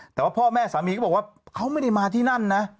แต่ว่าพ่อแม่สามีก็บอกว่าเขาไม่ได้มาที่นั่นนะ